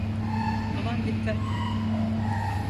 Aman dikkat.